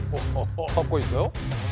かっこいいですよ。